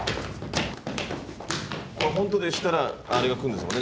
これ本当でしたらあれが来るんですもんね